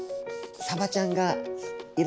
サバちゃん。